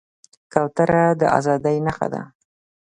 کوتره د ازادۍ نښه ده.